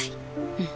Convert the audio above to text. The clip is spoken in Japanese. うん。